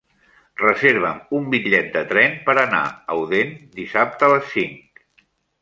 Reserva'm un bitllet de tren per anar a Odèn dissabte a les cinc.